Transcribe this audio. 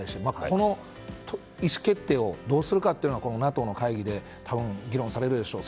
この意思決定をどうするかというのがＮＡＴＯの会議で議論されるでしょう。